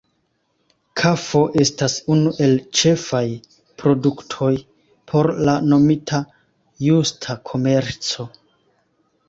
Kafo estas unu el ĉefaj produktoj por la nomita Justa komerco.